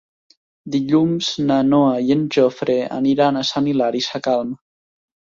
Dilluns na Noa i en Jofre aniran a Sant Hilari Sacalm.